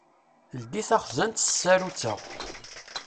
Ldi taxzant s tsarut-a.